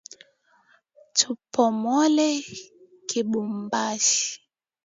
Tu pomole kibumbashi